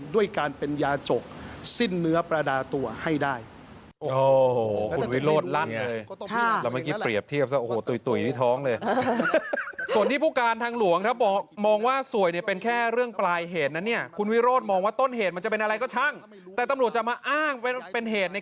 ด้วยการเป็นยาจกสิ้นเนื้อประดาตัวให้ได้